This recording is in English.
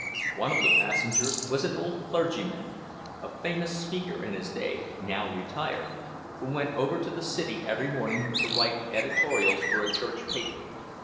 One of the passengers was an old clergyman, a famous speaker in his day, now retired, who went over to the City every morning to write editorials for a church paper.